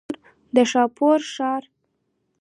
د ښاپورو ښار.